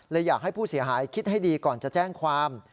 อยากให้ผู้เสียหายคิดให้ดีก่อนจะแจ้งความ